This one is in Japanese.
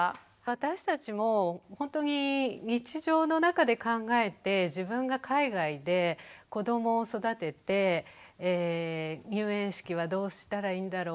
私たちもほんとに日常の中で考えて自分が海外で子どもを育てて入園式はどうしたらいいんだろう？